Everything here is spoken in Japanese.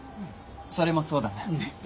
それもそうだな。